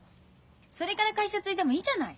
それから会社継いでもいいじゃない。